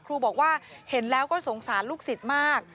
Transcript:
ครูบอกว่าเห็นแล้วก็สงสารลูกศิษย์มาก